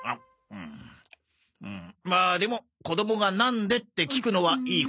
まあでも子供が「なんで」って聞くのはいいことだよな。